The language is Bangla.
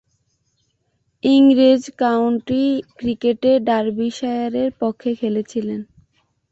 ইংরেজ কাউন্টি ক্রিকেটে ডার্বিশায়ারের পক্ষে খেলছেন।